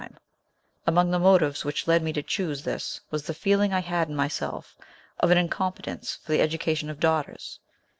One among the motives which led me to choose this was the feeling I had in myself of an incompetence for the education of daughters.